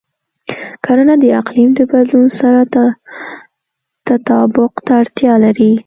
کرنه د اقلیم د بدلون سره تطابق ته اړتیا لري.